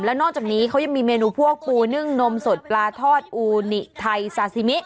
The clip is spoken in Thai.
นอกจากนี้เขายังมีเมนูพวกปูนึ่งนมสดปลาทอดอูนิไทยซาซิมิ